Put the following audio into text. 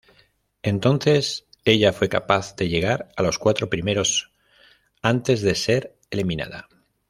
Entonces ella fue capaz de llegar a los cuatro primeros antes de ser eliminada.